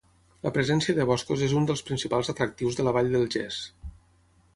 La presència de boscos és un dels principals atractius de la Vall del Ges.